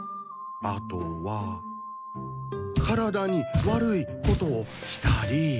あとは体に悪いことをしたり。